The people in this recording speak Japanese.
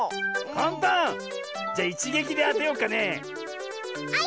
かんたん？じゃいちげきであてようかね。